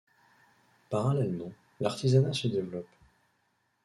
Parallèlement, l’artisanat se développe.